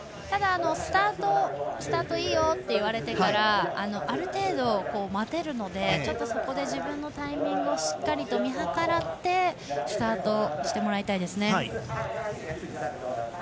ただ、スタートいいよと言われてからある程度、待てるのでそこで自分のタイミングをしっかり見計らってスタートしてもらいたいです。